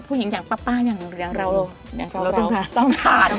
ผู้หญิงอย่างป๊าป๊ายังเราต้องทานค่ะ